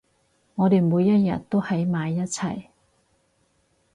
我哋每一日都喺埋一齊